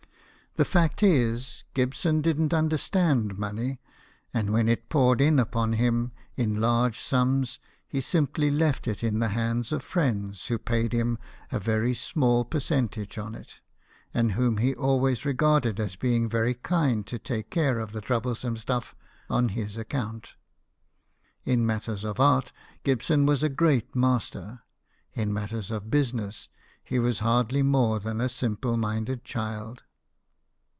The fact is, Gibson didn't understand money, and when it poured in upon him in large sums, he simply left it in the hands of friends, who paid him a very small percentage on it, and whom he always regarded as being very kind to take care of the troublesome stuff on his account. In matters of art, Gibson was a great master ; in matters of business, he was hardly more than a simple minded child.